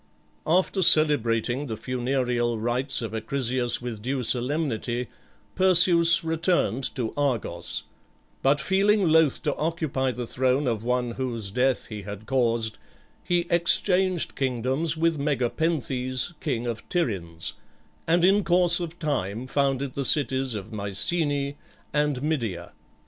After celebrating the funereal rites of Acrisius with due solemnity, Perseus returned to Argos; but feeling loath to occupy the throne of one whose death he had caused, he exchanged kingdoms with Megapenthes, king of Tiryns, and in course of time founded the cities of Mycenæ and Midea.